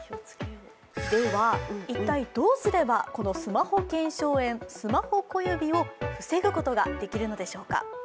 では一体どうすればこのスマホけんしょう炎、スマホ小指を防ぐことができるのでしょうか。